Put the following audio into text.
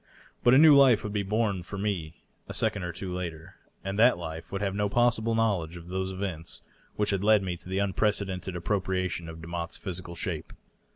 But a new life would be born for me a second or two later, and uiat life would have no possible knowledge of those events which had led me to the unprecedented appropriation of Demotte's physical shape.